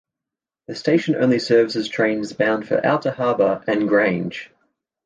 The station only services trains bound for Outer Harbor and Grange.